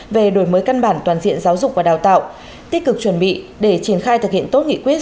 về đổi mới căn bản toàn diện giáo dục và đào tạo tích cực chuẩn bị để triển khai thực hiện tốt nghị quyết